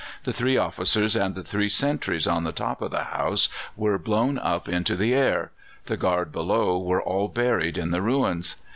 The three officers and three sentries on the top of the house were blown up into the air; the guard below were all buried in the ruins.